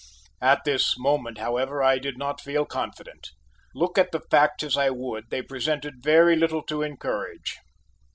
At this moment, however, I did not feel confident. Look at the facts as I would, they presented very little to encourage.